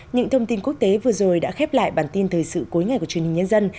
những thông tin quốc tế vừa rồi đã khép lại bản tin thời sự cuối ngày của truyền hình nhân dân